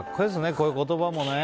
こういう言葉も。